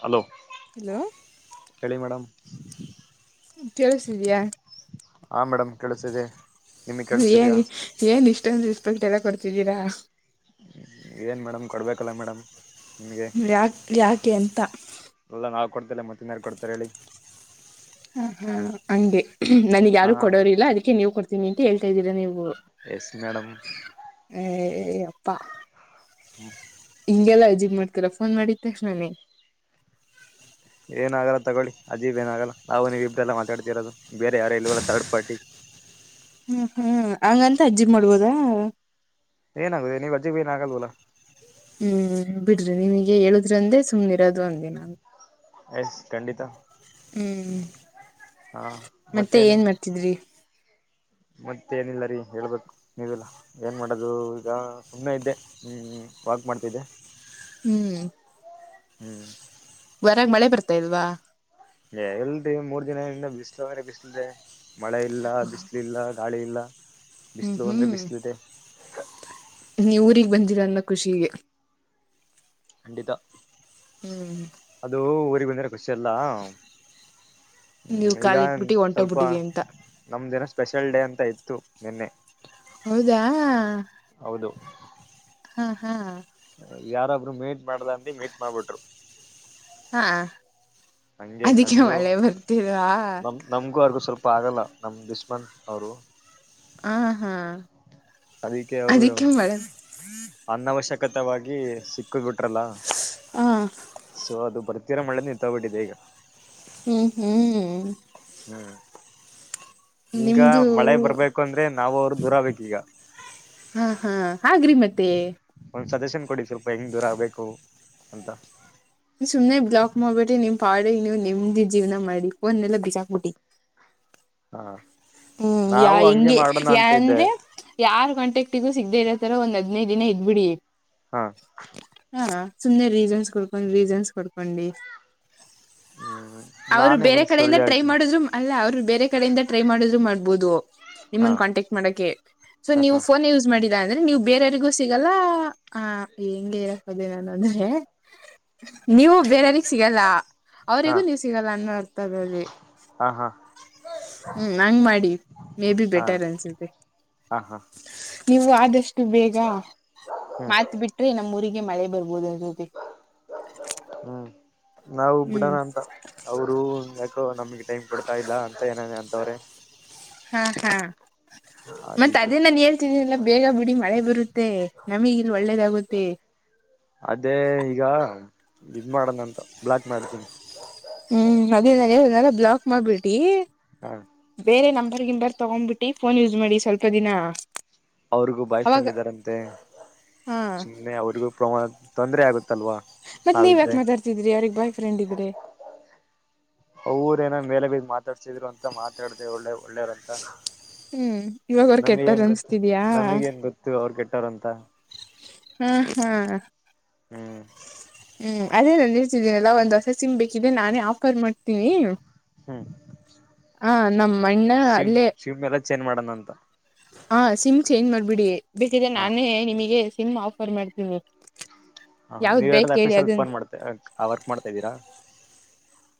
Hello hello ಹೇಳಿ madam ಕೆಲಸ್ತಿದಿಯ ಹ ಮೇಡಮ್ ಕೆಳ್ಸಿದೆ ಹೇಳಿ ಏನ್ ಈ ಏನ್ ಇಷ್ಟೊಂದು ರೆಸ್ಪಾಕ್ಟ್ ಎಲ್ಲ ಕೊಡ್ತಿದ್ದೀರಾ ಏನ್ ಮೇಡಮ್ ಕೊಡ್ಬೇಕಲ್ಲ ಮೇಡಮ್ ನಿಮ್ಗೆ ಯಾಕೆ ಯಾಕೆ ಅಂತ ಎಲ್ಲ ನಾ ಕೊಡ್ೇಲ್ಲ ಮತ್ತಿನಾರಡ್ತಾರೆ ಹೇಳಿ ಹ ಹಾ ಹಂಗೆ ನನಗೆ ಹಾ ಯಾರು ಕೊಡೋರಿಲ್ಲ ಅದಕ್ಕೆ ನೀವು ಕೊಡ್ತೀನಿ ಅಂತ ಹೇಳ್ತಾ ಇದ್ದೀರಾ ನೀವು ಎಸ್ ಮೇಡಮ್ ಹ ಯಪ್ಪಾ ಹ್ಮ ಹಿಂಗೆಲ್ಲಾ ಎಜಿಂಗ್ ಮಾಡ್ತರ ಫೋನ್ ಮಾಡಿದ ತಕ್ಷಣಾನೇ ಏನಾಗಲ್ಲ ತಗೊಳ್ಳಿ ಅಜೀಬ್ ಏನಾಗಲ್ಲ ನಾವು ನೀವು ಇಬ್ಡೆಲ್ಲ ಮಾತಾಡ್ತಿರೋದು ಬೇರೆ ಯಾರೇ ಇಲ್ವಲ್ಲ ತರ್ಡ್ ಪಾರ್ಟಿ ಹ್ಮ ಹ್ಮ್ ಹಂಗಂತ ಅಜ್ಜಿಬ ಮಾಡ್ಬೋದಾ ಏನ ಆಗಾಗಿದೆಿದೆ ನೀವುಜಿಗೆ ಏನ್ಗಲ್ವಲ್ಲ ಹ್ಮ್ ಬಿಡ್ರಿ ನಿಮಗೆ ಹೇಳುದ್ರ ಅಂದೆ ಸುಮ್ ಇರೋದು ಅ ಎಷ್ ಖಂಡಿತ ಹ್ಮ್ ಹಾ ಮತ್ತೆ ಏನ್ ಮಾಡ್ತಿದ್ರಿ ಮತ್ತೆ ಏನಿಲ್ಲ ರೀ ಹೇಳ್ಬೇಕು ನಿಿಲ್ಲ ಏನ್ ಮಾಡದು ಈಗ ಸುಮಮ್ಮನೆ ಇದ್ದೆ ಹ್ಮ್ ವಾಕ್ ಮಾಡ್ತಿದ್ದೆ ಹ್ಮ್ ಹ್ಮ್ ವರಾಗ ಮಳೆ ಬರ್ತಾ ಇದಲ್ವಾ ಏ ಇಲ್ರಿ ಮೂರ್ ದಿನದಿಂದ ಬಿಸಲಂದ್ರೆ ಬಿಸ್ಲದೆ ಮಳೆ ಇಲ್ಲ ಬಿಸಿಲು ಇಲ್ಲ ಗಾಳಿ ಇಲ್ಲ ಹ್ಮ್ ಬಿಸಿಲು ಅಂದ್ರೆ ಬಿಸಲು ಇದೆ ನೀವ ಊರಿಗೆ ಬಂದಿರೊ ಅನ್ನೋ ಖುಷಿಗೆ ಖಂಡಿತ ಹ್ಮ್ ಅದು ಊರಿಗ್ ಬಂದ್ರೆ ಖುಷಿ ಅಲ್ಲ ನೀವ್ ಹ್ಮ್ ಕಾಲ ಈಗಏ ಇಟ್ಬಿಟ್ಟಿ ಸ್ವಲ್ಪ ಹೊಂಟೋಗ್ಬಿಟ್ಟಿದಿ ಅಂತ ನಮ ದಿನ ಸ್ಪೆಷಲ್ ಡೇ ಅಂತ ಇತ್ತು ನಿನ್ನೆ ಹೌದಾ ಹೌದು ಹಾ ಹಾ ಯಾರಾದ್ರು ಮೀಂಟ್ ಮಾಡ್ದ ಅಂದ ಮೀಟ್ ಮಾಡಬಿಟ್ರು ಹಾ ಹಂಗೆ ಅದಕ್ಕೆ ನಮಗೂ ಮಳೆ ಬರ್ತಲ್ವಾ ನಮ್ ನಮ್ಗೂ ಅರ್ಗೂ ಸ್ವಲ್ಪ ಆಗಲ್ಲ ನಮ್ ಬಿಸ್ಮನ್ ಅವರು ಆ ಹಾ ಅದಕ್ಕೆ ಅವರು ಯ ಅನವಶ್ಯಕತವಾಗಿ ಸಿಕ್ಕ ಬಿಟ್ರಲ್ಲ ಹ ಸೊ ಅದು ಬರ್ ತೀರ ಮಳೇ ನಿಂತಬಿಟ್ಟಿದೆ ಈಗ ಹ್ಮ್ ಹ್ಮ್ ಹ್ಮ್ ಈಗ ನಿಮ್ದು ಮಳೆ ಬರ್ಬೇಕು ಅಂದ್ರೆ ನಾವು ಅವರು ದೂರ ಆಗ್ಬೇಕು ಈಗ ಹಾ ಹಾ ಹಾಗ್ರಿ ಮತ್ತೆ ಒಂದ್ ಸಜೆಷನ್ ಕೊಡಿ ಸ್ವಲ್ಪ ಹೆಂಗ್ ದೂರ ಆಗ್ಬೇಕು ಅಂತ ಸುಮ್ನೆ ಬ್ಲಾಕ್ ಮಾಡ್ಬಿಟ್ಟಿ ನಿಮ್ ಪಾಡಿಗ್ ನೀವು ನೆಮ್ದಿ ಜೀವನ ಮಾಡಿ ಫೋನ್ ಎಲ್ಲ ಬಿಸಾಕ್ಬಿಟ್ಟಿ ಹಾ ಹ್ಮ್ ಯಾ ನಾವು ಹಂಗೆ ಹಿಂಗೆ ಮಾಡೋಣ ಅಂತ ಇದ್ದೆ ಯಂದ್ರೆ ಯಾರ್ ಕಾಂಟಕ್ಟಗು ಸಿಗದೆೇ ಇರೋತರ ಒಂದ್ ಹದಿನ್ಯೆದು ದಿನ ಇದ್ಬಿಡಿ ಹಾ ಹಾ ಸುಮ್ನೆ ರೀಸನ್ಸ್ ಕೊಡ್ಕೊಂಡ್ ರೀಸನ್ಸ್ ಕೊಡ್ಕೊಂಡಿ ಹ್ಮ್ ಅವ್ರು ನಾನು ಬೇರೆ ಏನಾದ್ರು ಸುಳ್ಳು ಕಡೆಯಿಂದ ಟ್ರೈ ಹೇಳ್ತೀನಿ ಮಾಡುದ್ರು ಅಲ್ಲ ಅವ್ರು ಬೇರೆ ಕಡೆಯಿಂದ ಟ್ರೈ ಮಾಡಿದ್ರು ಮಾಡ್ಬೋದು ಹಾ ನಿಮ್ಮನ್ ಕಾಂಟ್ಯಾಕ್ಟ್ ಮಾಡಕೆ ಸೊ ನೀವು ಹ ಫೋನ್ ಯಸ್ ಮಾಡಿದ ಅಂದ್ರೆ ನೀವು ಬೇರೆಯವರಿಗೂ ಸಿಗಲ್ಲ ಹ ಹೆಂಗೆ ಹೇಳೋಕೋದೇ ಅಂದ್ರೆ ನೀವು ಬೇರೆಯವ್ರಿಗೆ ಸಿಗಲ್ಲ ಹಾ ಅವರಿಗೂ ನೀವು ಸಿಗಲ್ಲ ಅನ್ನೋ ಅರ್ಥದಲ್ಲಿ ಹಾ ಹಾ ಹ್ಮ್ ಹಂಗ್ ಮಾಡಿ ಮೇ ಬಿ ಹಾ ಹಾ ಬೆಟರ್ ಅನ್ಸುತ್ತೆ ಹಾ ಹಾ ನೀವು ಆದಷ್ಟು ಬೇಗ ಹ್ಮ್ ಮಾತ ಬಿಟ್ಟ ಬಿಟ್ರಿ ನಮ್ಮ ಊರಿಗೆ ಮಳೆ ಬರ್ಬೋದ ಅನಿಸುತ್ತೆ ಹ್ಮ್ ನಾವು ಹ್ಮ್ ಬಿಡಣ ಅಂತ ಅವರು ಹಂಗಾಕೋ ನಮಗೆ ಟೈಮ್ ಕೊಡ್ತಾ ಇಲ್ಲ ಅಂತ ಏನಾನ ಅಂತವ್ರೆ ಹಾ ಹಾ ಮತ್ತೆ ಅದಿಕ್ಕೆ ಅದೇ ನಾನ ಹೇಳ್ ಲ್ಲ ಬೇಗ ಬಿಡಿ ಮಳೆ ಬರುತ್ತೆ ನಮಗಿಲ್ಲಿ ಒಳ್ಳೇದಾಗುತ್ತೆ ಅದೇ ಈಗ ಇದ ಮಾಡಣಂತ ಬ್ಲಾಕ್ ಮಾಡ್ತೀನಿ ಹ್ಮ್ ಅದೇ ನಾನ್ ಹೇಳಿದ್ನಲ ಬ್ಲಾಕ್ ಮಾಡ್ಬಿಟಿ ಹ ಬೇರೆ ನಂಬರ್ ಗಿಂಬರ್ ತಗೊಂಡ್ಬಿಟ್ಟಿ ಫೋನ್ ಯೂಸ್ ಮಾಡಿ ಸ್ವಲ್ಪ ದಿನ ಅವ್ರಿಗೂ ಬಾಯ್ ಅವಾಗ ಫ್ರೆಂಡ್ ಇದ್ದಾರಂತೆ ಹಾ ಸುಮ್ನೆ ಅವ್ರಿಗೂ ಪ್ರಮಾಣ ತೊಂದರೆ ಆಗುತ್ತಲ್ವಾ ಮತ್ತ ನೀವ ಯಾಕ್ ನಾವಿದ್ರೆ ಮಾತಾಡ್ತಿದ್ರಿ ಅವ್ರಿಗ್ ಬಾಯ್ ಫ್ರಂಡ್ ಇದ್ರೆ ಅವರ ಏನ ಮೇಲೆ ಬೀದ್ ಮಾತಾಡ್ಸಿದ್ರು ಅಂತ ಮಾತಾಡ್ದ ಒಳ್ಳೆ ಒಳ್ಳೆಯವರ್ ಅಂತ ಹ್ಮ್ ಇವಾಗ ಅವ್ರ ನಮಗ್ ಕೆಟ್ಟರ್ ಎನ್ ಗೊತ್ತು ಅನ್ಸ್ತಿದ್ಯಾ ನಮಗೇನ್ ಗೊತ್ತು ಅವರು ಕೆಟ್ಟೋರುಂತ ಹ್ಮ್ ಹ್ಮ್ ಹ್ಮ್ ಹ್ಮ್ ಅದೇ ನಾನ ಹೇಳ್ತೀದ್ದೀನಲ್ಲ ಒಂದ್ ಹೊಸ ಸಿಮ್ ಬೇಕಿದ್ರೆ ನಾನೇ ಆಫರ್ ಮಾಡ್ತೀನಿ. ಹ್ಮ್ ಹ ನಮ್ಮ ಅಣ್ಣ ಅಲ್ಲೇ ಚೇನ್ ಮಾಡಣ ಅಂತ ಹಾ ಸಿಮ್ ಚೇಂಜ್ ಮಾಡ್ಬಿಡಿ ಬೇಕ್ರೆ ಹಾ ನಾನೇ ನಿಮಗೆ ಸಿಮ್ ಆಫರ್ ಮಾಡ್ತೀನಿ ಹ ಯಾವ್ದ್ ನೀವ ಬೇಕ ಎರ್ದ ಹೇಳಿ ಆಫೀಸ ಅಲ್ಲಿ ಅದನ್ನ ಫೋನ್ ಮಾಡ್ತ ಆ ವರ್ಕ್ ಮಾಡ್ತಾ ಇದ್ದೀರಾ?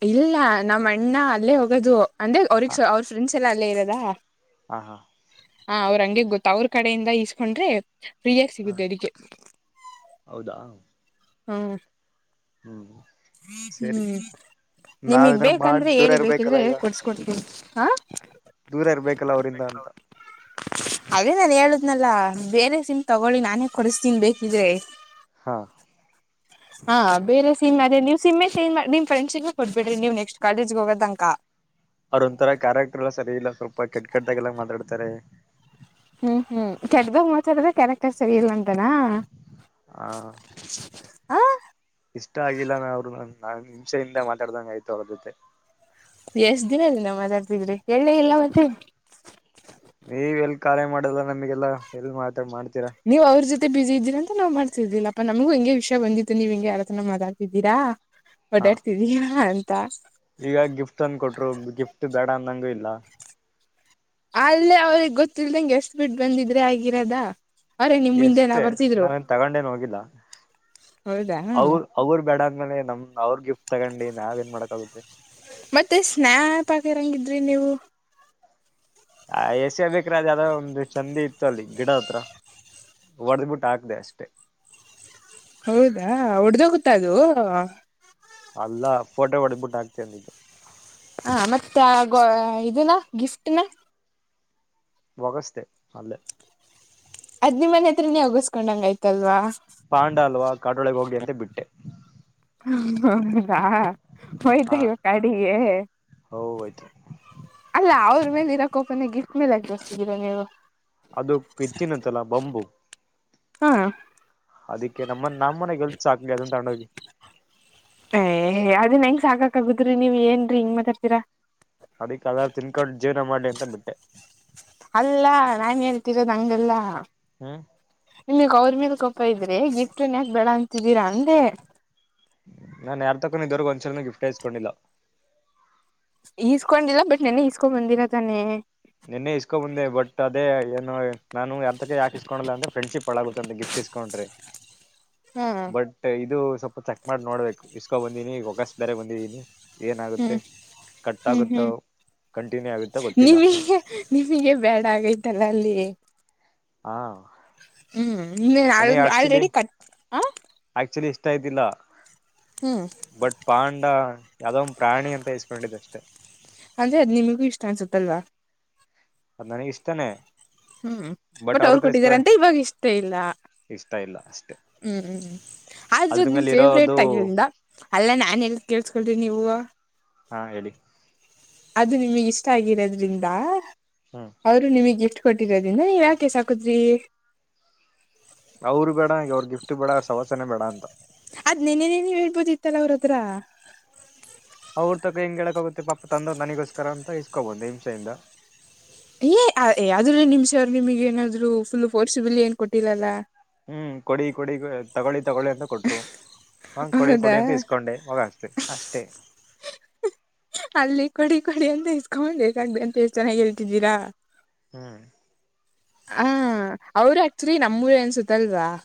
ಇಲ್ಲ ನಮ್ಮ ಅಣ್ಣ ಅಲ್ಲೇ ಹೋಗೋದು ಅಂದ್ರೆ ಹ ಅವ್ರಿಗೆ ಅವ್ರ ಫ್ರೆಂಡ್ಸ್ ಎಲ್ಲ ಅಲ್ಲೇ ಇರದ ಹಾ ಹಾ ಹಾ ಅವ್ರ ಹಂಗೆ ಗೊತ್ತ ಅವ್ರ ಕಡೆಯಿಂದ ಈಸ್ಕೊಂಡ್ರೆ ಫ್ರೀಯಾಗಿ ಹಾ ಸಿಗುತ್ತೆ ಅದಕ್ಕೆ ಹೌದಾ ಹ್ಮ ಹ್ಮ್ ಸರಿ ಹ್ಮ್ ನಾವ್ ನಿಮಗ್ ಇದನ್ನ ಮಾಡಿ ಬೇಕಂದ್ರೆ ದೂರ ಹೇಳಿ ಇರ್ಬೇಕಲ್ಲ ಬೇಕಿದ್ರೆ ಈಗ ಕೊಡ್ಸ್ಕೊಡ್ತೀನಿ ಹಾ ದೂರ ಇರ್ಬೇಕಲ್ಲ ಅವರಿಂದ ಅಂತ ಅದೇ ನಾನ ಹೇಳುದ್ನಲ್ಲ ಬೇರೆ ಸಿಮ್ ತಗೊಳ್ಳಿ ನಾನೇ ಕೊಡಿಸ್ತೀನಿ ಬೇಕಿದ್ರೆ ಹಾ ಹಾ ಬೇರೆ ಸಿಮ್ ಅದೆ ನೀವು ಸಿಮ್ಮೆ ಚೇಂಜ್ ಮಾಡಿ ನಿಮ್ ಫ್ರೆಂಡ್ಸಿಗೂ ಕೊಡ್ಬೇಡಿ ನೀವು ನೆಕ್ಸ್ಟ್ ಕಾಲೇಜ್ಗ್ ಹೋಗೋತನಕ ಅವ್ರ ಒಂಥರ ಕ್ಯಾರೆಕ್ಟರ್ ಎಲ್ಲಾ ಸರಿ ಇಲ್ಲಾ ಸ್ವಲ್ಪ ಕೆಟ್ಟ ಕೆಟ್ಟ್ದಾಗೆಲ್ಲಾ ಮಾತಾಡ್ತಾರೆ. ಹು ಹು ಕೆಡ್ದ ಮಾತಾಡಿದ್ರೆ ಕ್ಯಾರೆಕ್ಟರ್ ಸರಿ ಇಲ್ಲಾ ಅಂತಾನ. ಆ ಹ ಇಷ್ಟಾ ಆಗಿಲ್ಲಾನ ಅವರು ನ ನಾನ್ ಹಿಂಸೆಯಿಂದ ಮಾತಾಡ್ದಂಗೆ ಆಯ್ತು ಅವರ ಜೊತೆ. ಎಷ್ಟ್ ದಿನಲ್ಲಿ ನಿವ ಮಾತಾಡ್ತಿದ್ರಿ ಹೇಳೆಲ್ಲಾ ಮತ್ತೆ. ನೀವ ಎಲ್ಲಿ ಕಾರ್ಯ ಮಾಡಲ್ಲ ನಮಗೆಲ್ಲಾ ಎಲ್ಲಿ ಮಾತಾಡ್ ಮಾಡ್ತೀರಾ. ನೀವು ಅವರ ಜೊತೆ ಬಿಸಿ ಇದ್ದೀರ ಅಂತ ನಾವ ಮಾಡ್ಸಿದಿಲ್ಲಪ್ಪಾ ನಮಗು ವಿಷಯ ಬಂದಿತ್ತು ನೀವು ಹಿಂಗೆ ಯಾರತ್ರನ ಮಾತಾಡ್ತಿದ್ದೀರಾ. ಹಾ ಓಡಾಡ್ತಿದಯಾ ಅಂತಾ. ಈಗ ಗಿಫ್ಟ್ ತನ್ ಕೊಟ್ರು ಗಿಫ್ಟ್ ಬ್ಯಾಡಾ ಅಂದಂಗಿಲ್ಲಾ. ಅಲ್ಲೇ ಅವ್ರಿಗೆ ಗೊತ್ತಿಲ್ದಂಗೆ ಎಸ್ ಬಿಟ್ಟು ಬಂದಿದ್ರೆ ಆಗಿರದ. ಅವ್ರೇ ನಿಮ್ ಹಿಂದೆನಾ ಎಷ್ಟೇ ಬರ್ತಿದ್ರು ನಾನೆನ್ ತಗೊಂಡೇನ ಹೋಗಿಲ್ಲಾ ಹೌದಾ ಅವರ. ಅವರ ಬೇಡ ಅಂದ್ಮೇಲೆ ನಮ್ಮ ಅವರ ಗಿಫ್ಟ್ ತಗೊಂಡಿ ನಾವ ಏನ್ ಮಾಡಕಾಗುತ್ತೆ. ಮತ್ತೆ ಸ್ನಾಪ್ ಹಾಕಿರಂಗ ಇದ್ರಿ ನೀವು. ಆ ಎಸ್ ಎ ಬಿ ಕ್ರಾಸ ಯಾವದೋ ಒಂದು ಚಂದ ಇತ್ತು ಅಲ್ಲಿ ಗಿಡಾ ಹತ್ರಾ. ಹೊಡದ್ಬಿಟ್ಟು ಹಾಕ್ದೆ ಅಷ್ಟೇ. ಹೌದಾ ಒಡ್ದೋಗುತ್ತಾ ಅದು. ಅಲ್ಲಾ ಫೋಟೋ ಹೊಡೆದಬಿಟ್ಟ ಹಾಕ್ತೆ ಅಂದಿದ್ದು. ಹಾ ಮತ್ಯಾ ಗೊ ಇದನಾ ಗಿಫ್ಟ್ನ. ಒಗಸದೆ ಅಲ್ಲೆ. ಅದ ನಿಮ್ಮ ಮನೆ ಹತ್ರ ನೀ ಒಗಿಸ್ಕೊಂಡಂಗ ಆಯ್ತಲ್ವಾ. ಪಾಂಡ ಅಲ್ವಾ ಕಡೊಳಗ ಹೋಗಲಿ ಅಂತ ಬಿಟ್ಟೆ. ಹ ಹೌದಾ ಹಾ ಹೋಯ್ತಾ ಇವಾಗ ಕಾಡಿಗೆ. ಹೋಯ್ತು ಅಲ್ಲಾ ಅವರ ಮೇಲೆ ಇರೋಕೋಪನ ಗಿಫ್ಟ್ ಮೇಲೆ ಜೋರಿಸಿದ್ದೀರಾ ನೀವು. ಅದು ಪಿತ್ತಿನತ್ತಲಾ ಬಂಬು. ಹಾ ಅದಕ್ಕೆ ನಮ್ಮನ ನಮ್ಮನೆ ಗೆಲ್ತಚ ಆಕ್ಲಿ ಅದಂತ ತಗೊಂಡೋಗಿ. ಏ ಅದನ ಹೆಂಗ ಸಾಕ ಆಗುತ್ರಿ ನೀವ ಏನ ಹಿಂಗ ಮಾತಾಡತಿರಾ. ಅದಿಕ ಅದ ತಿನ್ಕೊಂಡು ಜೀವನ ಮಾಡ್ಲಿ ಅಂತ ಬಿಟ್ಟೆ. ಅಲ್ಲಾ ನಾನ ಹೇಳ್ತಿರೋದ ಹಂಗಲ್ಲಾ ಹು ನಿಮಿಗ ಅವರ ಮೇಲೆ ಕೋಪಾ ಇದ್ರೆ ಗಿಫ್ಟನ್ ಯಾಕ ಬೇಡಾ ಅಂತಿದ್ದೀರಾ ಅಂದೆ. ನಾನ್ ಯಾರ್ ತಕ್ಕೂ ಇದುವರ್ಗ ಒಂದ್ಸಲನ ಗಿಫ್ಟ್ ಇಸ್ಕೊಂಡಿಲ್ಲ. ಈಸ್ಕೊಂಡಿಲ್ಲಾ ಬಟ್ ನೆನ್ನೆ ಈಸ್ಕೊಂಡ್ ಬಂದಿರಾ ತಾನೆ. ನಿನ್ನೆ ಇಸ್ಕೊ ಬಂದೆ ಬಟ್ ಅದೇ ಏನು. ನಾನು ಯಾತಕ್ಕೆ ಯಾಕಸ್ಕೊಳಲ್ಲಾ ಅಂದ್ರ ಫ್ರೆಂಡಶಿಫ್ ಹಾಳಾಗುತ್ತ ಅಂತ ಗಿಫ್ ಇಸ್ಕೊಂಡ್ರೆ. ಹ್ಮ್ ಬಟ್ ಇದು ಸ್ವಲ್ಪ ಚೆಕ್ ಮಾಡಿ ನೋಡ್ಬೇಕು ಇಸ್ಕೊ ಬಂದೀನಿ ಒಗಸ್ ಬೇರೆ ಬಂದಿದೀನಿ. ಏನಾಗುತ್ತೆ ಹ್ಮ್ ಹ್ಮ್ ಕಟ್ಟಾಗುತ್ತೋ ಹ್ಮ್ ಕಂಟಿನ್ಯೂ ಆಗುತ್ತೋ ಗೊತ್ತಿಲ್ಲಾ. ನಿಮಗೆ ನಿಮಗೆ ಬ್ಯಾಡ ಆಗೈತಲ್ಲ ಅಲ್ಲಿ. ಹಾ ಹು ಇನ್ನ ಆಲ್ ನನಗೆ ಆಕ್ಚುಲಿ ಆಲ್ರೆಡಿ ಕಟ್ ಆ ಆಕ್ಚುಲಿ ಇಷ್ಟಾ ಇದ್ದಿಲ್ಲಾ. ಹು ಬಟ್ ಪಾಂಡ ಯಾವ್ದೋ ಒಂದು ಪ್ರಾಣಿ ಅಂತ ಇಸ್ಕೊಂಡಿದ್ದೆ ಅಷ್ಟೇ. ಅಂದ್ರೆ ಅದು ನಿಮಗೂ ಇಷ್ಟಾ ಅನ್ಸುತ್ತಲ್ವಾ. ಅದ ನನಗ ಇಷ್ಟಾನೆ. ಹೂ ಬಟ್ ಅವರ ಕೊಟ್ಟಿದಾರ ಅಂತ ಇವಾಗ ಇಷ್ಟೇ ಇಲ್ಲ ಇಷ್ಟ ಇಲ್ಲ ಅಷ್ಟೆ ಹೂ ಹು. [unintelligible] ಆದ್ರೂ ಅದ್ರ ನಿಮ್ಮ ಮೇಲೆ ಫೇವ್ರೇಟ್ ಇರೋದು ಆಗಿರೋದ್ರಿಂದ ಅಲ್ಲ ನಾನ್ ಹೆಂಗ್ ಕೇಳಿಸಿಕೊಂಡರೆ ನೀವು. [unintelligible] ಹಾ ಹೇಳಿ. [unintelligible] ಅದು ನಿಮಗ್ ಇಷ್ಟ ಆಗಿರೋದ್ರಿಂದ. [unintelligible] ಹು. [unintelligible] ಅವರು ನಿಮಗೆ ಗಿಫ್ಟ್ ಕೊಟ್ಟಿರೋದನ ಏಕ್ ಎಸಾಕದ್ರೀ. [unintelligible] ಅವ್ರು ಬೇಡ ನಂಗ್ ಅವ್ರ ಗಿಫ್ಟ್ ಬೇಡ ಸವಾಸನೆ ಬೇಡ ಅಂತ. ಅದ ನಿನ್ನೆನೆ ನೀ ಹೇಳ್ಬೋದ ಇತ್ತ ಅವರ ಹತ್ರ. [unintelligible] [inaudible] ಅವ್ರ ತಕ್ಕ ಹೆಂಗೆ ಹೇಳಕ್ಕಗುತ್ತೆ ಪಾಪ ತಂದವರೆ ನನಿಗೋಸ್ಕರ ಅಂತ ಇಸ್ಕೊಬೋಂದು ಹಿಂಷೆಯಿಂದ. [unintelligible] ಏ ಅ ಯಾವುದರಿಂದ ಹಿಂಸೆ ನಿಮಗೆ ಏನಾದ್ರು ಫುಲ್ ಫೋರ್ಸಬಲಿ ಏನ್ ಕೊಟ್ಟಿಲ್ಲ ಅಲ್ಲಾ. [unintelligible] ಹೂ ಕೊಡಿ ಕೊಡಿ ತಗೊಳ್ಳಿ ತಗೊಳ್ಳಿ ಅಂತ ಕೊಟ್ರು. [unintelligible] ನಾನ್ ಕೊಡಿ ಕೊಡಿ ಹೌದಾ ಅಂತ ಇಸ್ಕೊಂಡೆ ಹೋಗ ಅಷ್ಟೇ ಅಷ್ಟೆ. [unintelligible] ಅಲ್ಲಿ ಕೊಡಿ ಕೊಡಿ ಅಂತ ಇಸ್ಕೊಂಡ್ ಬೇಕಾಗದೆ ಅಂತು ಚೆನ್ನಾಗಿ ಹೇಳ್ತಿದ್ದೀರಾ. [unintelligible] ಹೂ. [unintelligible] ಹಾ ಅವರು ಆಕ್ಚುಲಿ ನಮ್ಮೂರು ಅನ್ಸುತ್ತಲ್ವಾ. [unintelligible]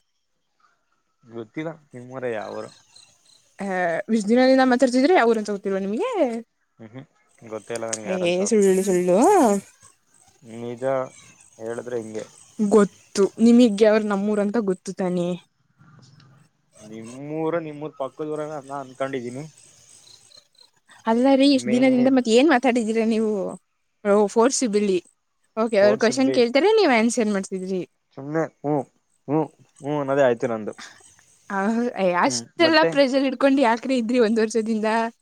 ಗೊತ್ತಿಲ್ಲ ನಿಮ್ಮ ಊರೇ ಯಾವ ಊರ್. [unintelligible] ಹ ಇಸ್ಟ ದಿನ ದಿನಾ ಮಾತಾರ್ಸಿದ್ರೆ ಯಾವ ಊರು ಅಂತ ಗೊತ್ತ ಇಲ್ಲ ನಿಮಗೆ. ಹ್ಮ್ ಹ್ಮ್ ಗೊತ್ತೇ ಇಲ್ಲ [unintelligible] ನನ್ಗೆ ಏ ಯಾರಂತವ್ರು ಸುಳ್ಳು ಸಳ್ಳು. [unintelligible] ನಿಜಾ ಹೇಳಿದ್ರೆ ಹಿಂಗೆ. [unintelligible] ಗೊತ್ತು ನಿಮಗೆ ಏಕ್ ನಮ್ಮೂರ ಅಂತ ಗೊತ್ತು ತಾನೆ. [unintelligible] ನಿಮ್ಮೂರ ನಿಮ್ಮೂರ್ ಪಕ್ಕದೂರ ಅದಾಳ ಅಂತ ಅನ್ಕೊಂಡಿದ್ದೀನಿ. [unintelligible] ಅಲ್ಲಾ ರೀ ಇಷ್ಟ ಮೇ ದಿನದಿಂದ ಮತ್ತೆ ಏನ್ ಮಾತಾಡಿದೀರಾ ನೀವು ಓ ಫೋರ್ಸ ಬಿಲೀ. [unintelligible] ಓಕೆ ಅವರು ಕ್ವೆಶ್ಚನ್ ಕೇಳ್ತಾರೆ ನೀವ್ ಆನ್ಸರ್ ಮಾಡ್ತಿದ್ರಿ. [unintelligible] ಸುಮ್ಮನೆ ಹು ಹು ಹು ಅನ್ನೋದೇ ಆಯ್ತು ನಂದು. ಹಾ ಹ ಅಯ್ಯ ಹ್ಮ್ ಅಷ್ಟೆಲ್ಲ ಮತ್ತೆ ಪ್ರ [unintelligible] ಇಟ್ಟಕೊಂಡು ಯಾಕ್ರೆ ಇದ್ರಿ ಒಂದ್ ವರ್ಷ ದಿಂದ. [unintelligible]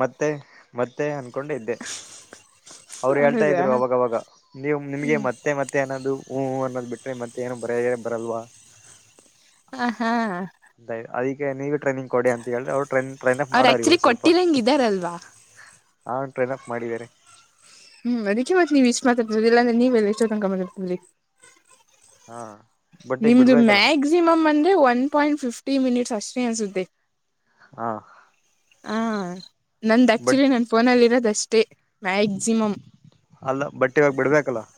ಮತ್ತೆ. [unintelligible] ಮತ್ತೆ ಅನ್ಕೊಂಡ ಇದ್ದೆ ಅವ್ರು ಹೇಳ್ತಾ ಹೌದಾ ಇದ್ರು ಅವಾಗವಾಗ ನೀವು ನಿಮ್ಗೆ ಹ್ಮ್ ಮತ್ತೆ ಮತ್ತೆ [unintelligible] ಮತ್ತೆ ಅನ್ನೋದು ಹೂ ಹೂ ಅನ್ನೋದು ಬಿಟ್ರೆ ಮತ್ತೆ ಏನೋ ಬೇರೆ ಬರಲ್ವ. [unintelligible] ಹಾ ಹ. [unintelligible] ಅಯ್ಯ ಅದಕ್ಕೆ ನೀವೇ ಟ್ರೈನಿಂಗ್ ಕೊಡಿ ಅಂತ ಹೇಳದ್ದೇ ಅವರ ಟ್ರೈನ್ ಟ್ರೈನ್ ಅಫ್ ಅವ್ರ ಮಾಡೋವರೆ ಆಕ್ಚುಲಿ ಇವಾಗ ಸ್ವಲ್ಪ. ಕೊಟ್ಟಿರಂಗ [unintelligible] ಇದಾರಲ್ವಾ ಹಾ ಟ್ರೈನ್ ಅಪ್ ಮಾಡಿದಿದ್ದಾರೆ. [unintelligible] ಹೂ ಅದಕ್ಕೆ ಮತ್ತ ನೀವ ಇಷ್ಟ ಮಾತಾಡತ್ತಿರೋದು ಇಲ್ಲಾಂದ್ರೆ ನೀವೆಲ್ಲಿ ಎಷ್ಟೋ ತನಕ ಮಾಡತಿದರಿ. [unintelligible] ಹಾ. [unintelligible] ಈಗ ನಿಮ್ದು ಬಿಡ್ಬೇಕಲ್ಲ ಮ್ಯಾಕಸಿಮ್ ಅಂದ್ರೆ ಒನ್ ಪಾಯಿಂಟ್ ಫಿಫ್ಟಿ ಮಿನಿಟ್ಸ್ ಅಷ್ಟೇ ಅನ್ಸುತ್ತೆ. [unintelligible] ಹಾ. [unintelligible] ಹಾ ನಂದು ಬಟ್ ಆ್ಯಕ್ಚುಲಿ ನನ್ನ ಫೋನಲ್ಲಿರೋದುಷ್ಟೇ ಮ್ಯಾಕ್ಸಿಮ್. [unintelligible] ಅಲ್ಲ ಬಟ್ಟ ಇವಗಾ ಬಿಡ್ಬೇಕಲ್ಲ. [unintelligible]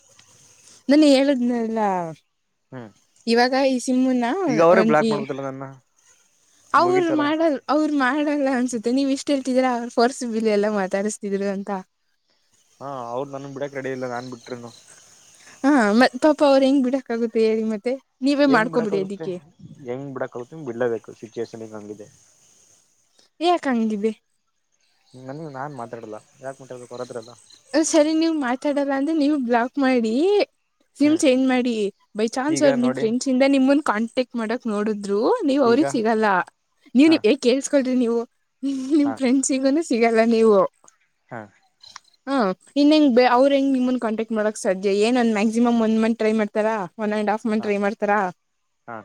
ನಾನ ಹೇಳದ್ನಲ್ಲ. [unintelligible] ಹು. [unintelligible] ಇವಾಗ ಈ ಸಿಮನ್ನ ಒಂದು ಈ ಮಾಡ್ಬೋದಲ್ಲ ನನ್ನ ಅವರು ಮುಗೀತಲ್ಲ ಮಾಡಲ್ [unintelligible] ಅವರ ಮಾಡಲ್ಲ ಅನ್ಸುತ್ತೆ ನೀವ ಇಷ್ಟ್ ಹೇಳ್ತಿದ್ರಾ ಅವ್ರ ಪಫರ್ಸ್ ಬಿಲೀ ಎಲ್ಲಾ ಮಾತಾಡಸ್ತಿದ್ರು ಅಂತ. [unintelligible] ಹಾ ಅವರು ನನ್ನನ ಬಿಡಕ್ ರೆಡಿ ಇಲ್ಲ ನಾನ್ ಬಿಟ್ಟಿರೋದು. [unintelligible] ಹಾ ಮತ್ತ ಪಾಪ ಅವ್ರು ಹೆಂಗ್ ಬಿಡಕ್ ಆಗುತ್ತೆ ಹೇಳಿ ಮತ್ತೆ ನೀವೇ ಹೆಂಗ್ ಮಾಡ್ಕೊಬಿಡಿ ಬಿಡಕ್ಕಾಗುತ್ತೆ ಅದಿಕ್ಕೆ. [unintelligible] ಹೆಂಗ್ ಬಿಡಕ್ಕಗುತ್ತ ಬಿಡ್ಲೇಬೇಕು ಸಿಚ್ಯಯೇಷನಿಗ ಹಂಗಿದೆ ಯಾಕಂಗಿದೆ ನನಗ ನಾನ ಮಾತಾಡಲ್ಲ ಯಾಕ ಮಾತಡಬೇಕ ಅವರತ್ತರೆಲ್ಲ್ ಹ್ ಸರಿ ನೀವ್ ಮಾತಾಡಲ್ಲ ಅಂದ್ರೆ ನೀವ್ ಬ್ಲಾಕ್ ಮಾಡಿ ಸಿಮ್ ಹ್ಮ್ ಚೇಂಜ್ ಮಾಡಿ ಬೈ ಚಾನ್ಸ್ ಈಗ ಅವರು ನಿಮ್ ನೋಡಿ ಫ್ರೆಂಡ್ಸ್ ಇಂದ ನಿಮನ್ ಕಾಂಟ್ಯಾಕ್ಟ್ ಮಾಡಕ್ ನೋಡುದ್ರು ನೀವು ಈಗ ಅವ್ರಿಗ ಸಿಗಲ್ಲ ಹಾ ನೀವ ಏ ಕೇಳಸ್ಕೊಳ್ರಿ ನೀವು ನಿಮ್ ಹಾ ಫ್ರೆಂಡ್ ಸಿಗನು ಸಿಗಲ್ಲ ನೀವು ಹಾ ಹಾ ಇನ್ನ ಹೆಂಗ್ ಬ ಅವ್ರ ಹೆಂಗ ನಿಮ್ಮನ್ ಕಾಟ್ಯಾಕ್ ಮಾಡಕ್ ಸಾದ್ಯ ಏನೂಂದ ಮ್ಯಾಕ್ಸಿಮ್ ಒನ್ ಮಂತ್ ಟ್ರೈ ಮಾಡತಾರಾ ಒನ್ ಅಂಡ್ ಹಾಫ್ ಮಂತ ಹಾ ಟ್ರೈ ಮಾಡ್ತಾರಾ ಹಾ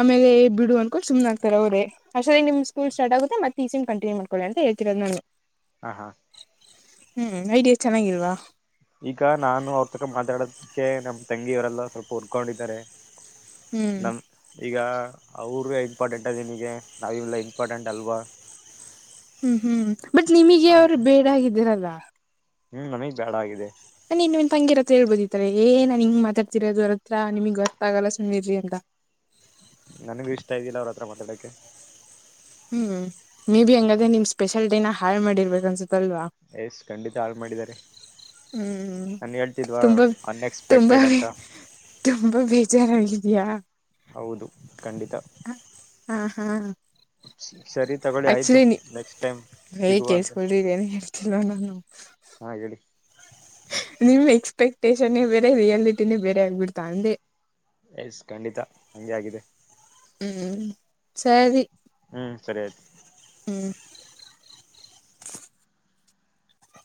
ಆಮೇಲೆ ಏ ಬಿಡು ಅನ್ಕೊಂಡು ಸುಮ್ನ ಆಗ್ತಾರ ಅವರೇ ಅಷ್ಟೂತಿಗ ನಿಮ್ ಸ್ಕೂಲ ಸ್ಟಾರ್ಟ ಆಗುತ್ತ ಮತ್ತ ಟೀಚಿಂಗ ಕಂಟಿನ್ಯೂ ಮಾಡಿಕೊಳ್ಳಿ ಅಂತ ಹೇಳತಿರದು ನಾನು ಹಾ ಹಾ ಹ್ಮ್ ಐಡಿಯಾ ಚೆನ್ನಾಗಿಲ್ವಾ ಈಗ ನಾನು ಅವ್ರ ತಕ ಮಾತಾಡೋದಕ್ಕೆ ನಮ್ಮ್ ತಂಗಿಯವರೆಲ್ಲ ಸ್ವಲ್ಪ ಹುರ್ಕೊಂಡಿದ್ದಾರೆ ಹ್ಮ್ ನಮ ಈಗ ಅವ್ರೆ ಇಂಪಾರ್ಟೆಂಟ್ ಆ ನಿನಿಗೆ ನಾವೆಲ್ಲ ಇಂಪಾರ್ಟೆಂಟ್ ಅಲ್ವಾ ಹ್ಮ್ ಹ್ಮ್ ಬಟ್ ನಿಮಗೆ ಅಂತ ಅವ್ರು ಬೇಡ ಆಗಿದ್ದರಲ್ಲ ಹ್ಮ್ ನಮಿಗ್ ಬ್ಯಾಡ ಆಗಿದೆ ನಿ ನೀನ್ ನಿಮ್ಮ ತಂಗಿರತ್ರ ಹೇಳ್ಬೋದಿತ್ತಲ್ ಏ ನೋನ್ ಹಿಂಗ ಮಾತಾಡ್ತಿರೋದು ಅವ್ರ ಹತ್ರ ನಿಮಗ್ ಗೊತ್ತಾಗಲ್ಲ ಸುಮ್ಮನಿರಿ ಅಂತ ನನಗು ಇಷ್ಟ ಇದ್ದಿಲ್ಲ ಅವ್ರ ಹತ್ರ ಮಾತಾಡಕ್ಕೆ ಹ್ಮ್ ಮೇ ಬಿ ಹ್ಮ್ ಹಂಗಾದ್ರೆ ನಿಮ್ ಸ್ಪೆಷಾಲಿಟಿ ಹಾಳ್ ಮಾಡಿರ್ಬೇಕ ಅನ್ಸುತ್ತಲ್ವಾ ಎಸ್ ಖಂಡಿತ ಹಾಳ ಮಾಡಿದ್ದಾರೆ ಹ್ಮ್ ನಾನ್ ಹೇಳ್ತಿದ್ವಾ ತುಂಬಾ ಅನ್ಎಕ್ಸ್ಪೆಕ್ಟೆಡ್ ತುಂಬಾ ಅಂತ ತುಂಬಾ ಬೇಜಾರಾಗಿದ್ಯಾ ಹೌದು ಖಂಡಿತ ಹ ಹಾ ಹಾ ಶರೀಫ್ ಆಕ್ಚುಲಿ ನೀ ಹೇ ಅಂತ ಕೇಳಸ್ಕೊಲ್ಲಿ ಏನೋ ಹೇಳ್ತಿಲ್ಲವ ನಾನು ಹಾ ಹೇಳಿ ನಿಮ್ ಎಕ್ಸ್ಪೆಕ್ಟೇಷನೇ ಬೇರೆ ರಿಯಾಲಿಟಿನೇ ಬೇರೆ ಆಗ್ಬಿಡ್ತಾ ಅಂದೆ ಎಸ್ ಖಂಡಿತಾ ಹಂಗೆ ಆಗಿದೆ ಹ್ಮ್ ಸರಿ ಹ್ಮ್ ಸರಿ ಆಯ್ತು ಹ್ಮ್